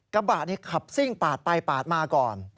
กระบะนี้ขับซิ่งปาดไปปาดมาก่อน